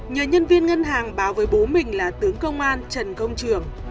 nhờ nhân viên ngân hàng báo với bố mình là tướng công an trần công trường